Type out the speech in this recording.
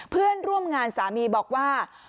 เพื่อนร่วมงานสามีบอกว่า